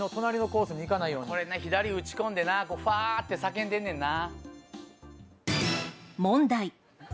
左打ち込んでなファー！って叫んでんねんな。